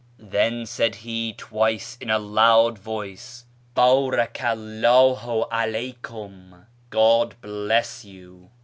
Then said he twice in a loud voice, ' Bdralca 'lldhu 'aleykum ' ('God bless you